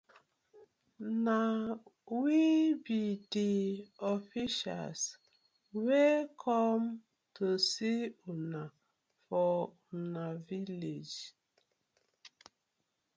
Na we bi di officials wey com to see una for una village.